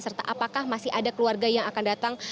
serta apakah masih ada keluarga yang akan datang